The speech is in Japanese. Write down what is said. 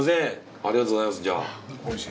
ありがとうございます。